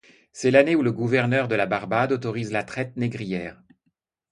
C'est l'année où le gouverneur de la Barbade autorise la traite négrière.